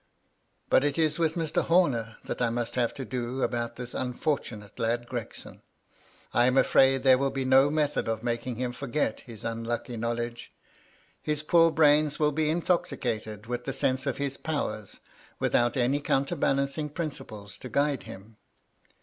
But it is with Mr. Homer that I must have to do about this unfortunate lad Gregson. I am afraid there will be no method of making him forget his unlucky know ledge. His poor brains will be intoxicated with the sense of his powers, without any counterbalancing prin ciples to guide him.